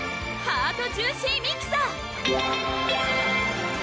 ハートジューシーミキサー！